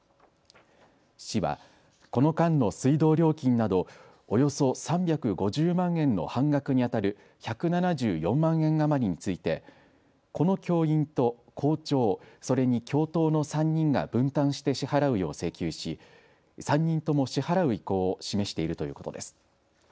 市は、この間の水道料金などおよそ３５０万円の半額にあたる１７４万円余りについてこの教員と校長、それに教頭の３人が分担して支払うよう請求し３人とも支払う意向を示しているということです。